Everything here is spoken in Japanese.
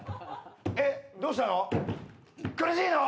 えっどうしたの？